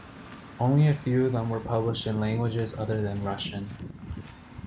Only few of them were published in languages other than Russian.